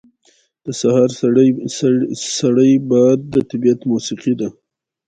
• د سهار سړی باد د طبیعت موسیقي ده.